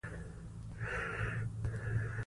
له طبیعي زیرمو په سمه توګه ګټه واخلئ.